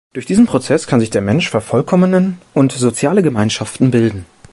Durch diesen Prozess kann sich der Mensch vervollkommnen und soziale Gemeinschaften bilden.